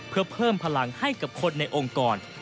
เพื่อเพิ่มพลังให้กับคนในองค์กร